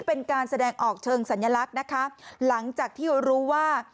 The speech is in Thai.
เป็นการแสดงออกเชิงสัญลักษณ์นะคะหลังจากที่รู้ว่า